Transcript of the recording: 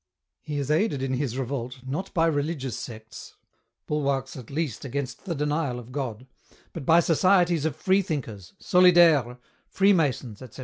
He is aided in his revolt, not by religious sects, bulwarks at least against the denial of God, but by societies of Free thinkers, " Solidaires," Freemasons, etc.